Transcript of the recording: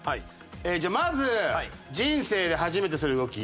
じゃあまず「人生で初めてする動き」。